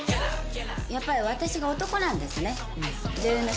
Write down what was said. やっぱり私が男なんですね。